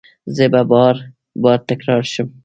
زه به بار، بار تکرار شم